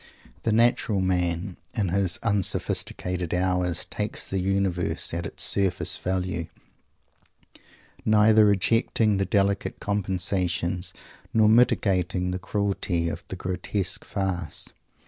The natural man, in his unsophisticated hours, takes the Universe at its surface value, neither rejecting the delicate compensations, nor mitigating the cruelty of the grotesque farce.